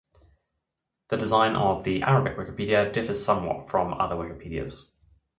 The design of the Arabic Wikipedia differs somewhat from other Wikipedias.